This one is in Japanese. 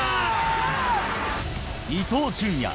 伊東純也。